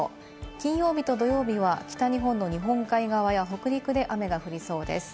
金曜日と土曜日は北日本の日本海側や北陸で雨が降りそうです。